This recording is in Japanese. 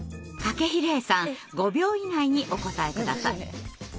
筧礼さん５秒以内にお答え下さい。